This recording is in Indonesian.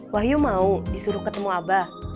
wahyu mau disuruh ketemu abah